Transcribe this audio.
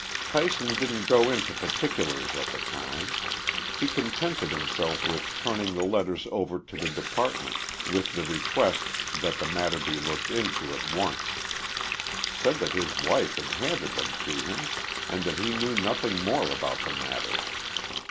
Tyson didn't go into particulars at the time. He contented himself with turning the letters over to the department, with the request that the matter be looked into at once. Said that his wife had handed them to him and that he knew nothing more about the matter.